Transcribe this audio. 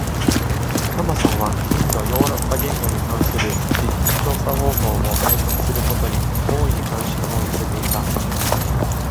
トマソンは、インドヨーロッパ言語に関する実地調査方法を体得することに、大いに関心を寄せていた。